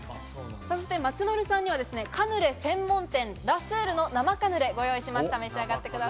松丸さんにはカヌレ専門店ラ・スールの生カヌレをご用意しました。